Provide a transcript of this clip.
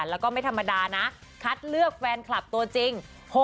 แล้วก็ไม่ธรรมดานะคัดเลือกแฟนคลับตัวจริง